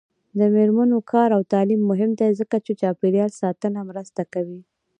د میرمنو کار او تعلیم مهم دی ځکه چې چاپیریال ساتنه کې مرسته کوي.